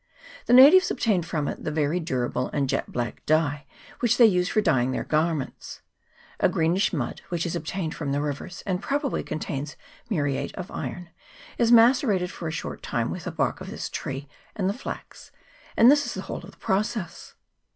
The natives obtain from it the very durable and jet black dye which they use for dyeing their garments. A greenish mud, which is obtained from the rivers, and probably contains muriate of iron, is macerated for a short time with the bark of the tree and the flax, and this is the whole of the pro cess.